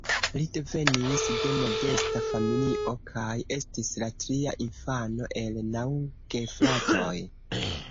Li devenis de modesta familio kaj estis la tria infano el naŭ gefratoj.